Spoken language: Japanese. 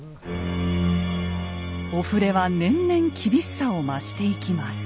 お触れは年々厳しさを増していきます。